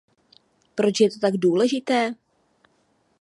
Proč je to tak důležité?